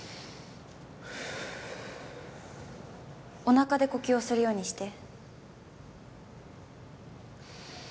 お腹で呼吸をするようにして。